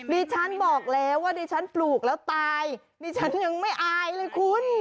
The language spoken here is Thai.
ดิฉันบอกแล้วว่าดิฉันปลูกแล้วตายดิฉันยังไม่อายเลยคุณ